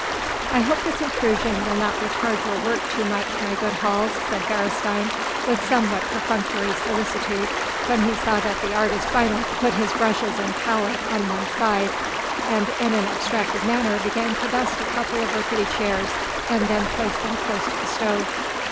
"I hope this intrusion will not retard your work too much, my good Hals," said Beresteyn with somewhat perfunctory solicitude when he saw that the artist finally put his brushes and palette on one side, and in an abstracted manner began to dust a couple of ricketty chairs and then place them close to the stove.